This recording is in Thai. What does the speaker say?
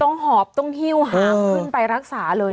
หอบต้องหิ้วหามขึ้นไปรักษาเลย